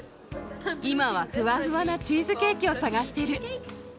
今はふわふわなチーズケーキを探している。